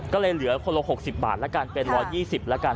ก็เลยเหลือคนละ๖๐บาทแล้วกันเป็น๑๒๐แล้วกัน